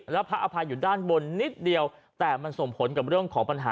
แล้วพระอภัยอยู่ด้านบนนิดเดียวแต่มันส่งผลกับเรื่องของปัญหา